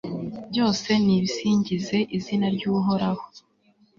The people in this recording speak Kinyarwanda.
byose nibisingize izina ry'uhoraho